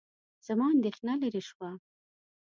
زما اندېښنه لیرې شوه.